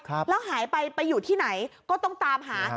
แล้วหายไปไปอยู่ที่ไหนก็ต้องตามหา